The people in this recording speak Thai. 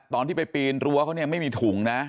ตอนที่ไปปีนรั้วเขาเนี่ยไม่มีถุงนะ